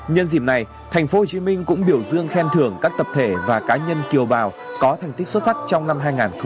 nhân dịp này tp hcm cũng biểu dương khen thưởng các tập thể và cá nhân kiều bào có thành tích xuất sắc trong năm hai nghìn một mươi chín